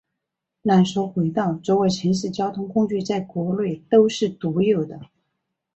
缆索轨道作为城市交通工具在国内都是独有的。